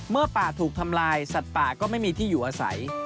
เมื่อป่าถูกทำลายสัตว์ป่าก็ไม่มีที่อยู่อาศัย